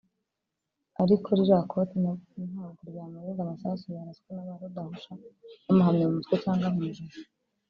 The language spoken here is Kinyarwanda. ariko ririya koti ntabwo ryamurinda amasasu yaraswa na ba rudahusha bamuhamya mu mutwe cyangwa mu ijosi